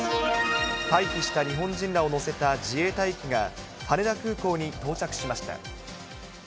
退避した日本人らを乗せた自衛隊機が、羽田空港に到着しました。